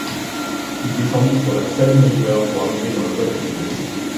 Il descendit alors la Sabine River pour arriver dans le golfe du Mexique.